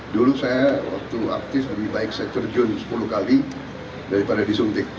dulu saya waktu aktif lebih baik saya terjun sepuluh kali daripada disuntik